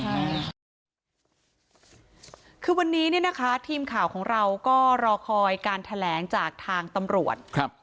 คือวันนี้เนี่ยนะคะทีมข่าวของเราก็รอคอยการแถลงจากทางตำรวจครับ